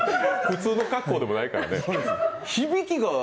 普通の格好でもないからね。